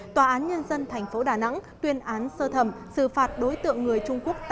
tòa án nhân dân thành phố đà nẵng tuyên án sơ thẩm xử phạt đối tượng người trung quốc